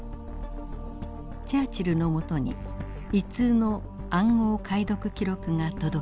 チャーチルのもとに一通の暗号解読記録が届けられます。